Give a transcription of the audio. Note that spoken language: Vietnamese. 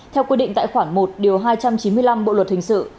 theo quy định tại khoản một điều hai trăm chín mươi năm bộ luật hình sự